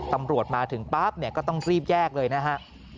ตำรวจมาถึงปั๊บเนี่ยก็ต้องรีบแยกเลยนะฮะ